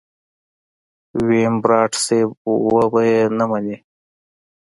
ويم رابرټ صيب وبه يې نه منې.